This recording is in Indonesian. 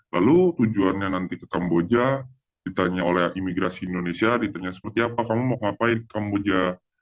lalu tujuannya nanti ke kamboja ditanya oleh imigrasi indonesia ditanya seperti apa kamu mau ngapain kamboja